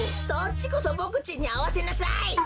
そっちこそボクちんにあわせなさい！